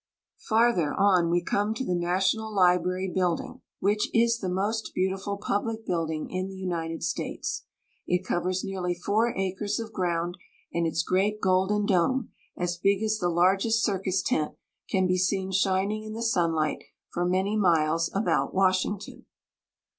, Farther on we come to the National Library building, 22 THE UNITED STATES. which Is the most beautiful public building in the United States. It covers nearly four acres of ground, and its great golden dome, as big as the largest circus tent, can be seen shining in the sunlight for many miles about Washington.